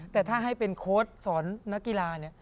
แต่ถ้าให้เป็นโค้ชสอนนักกีฬา